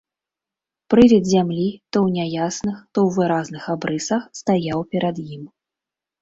Прывід зямлі, то ў няясных, то ў выразных абрысах, стаяў перад ім.